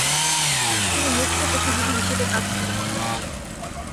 তিনি মুক্তপেশাজীবী হিসেবে কাজ শুরু করেন।